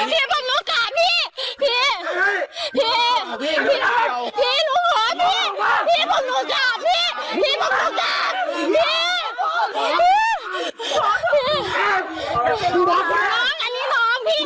พี่พี่ผมหนูกราบพี่พี่พี่พี่พี่หนูหรอพี่